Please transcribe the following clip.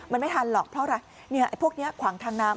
มันไม่ทันหรอกเพราะอะไรพวกนี้ขวางทางน้ำ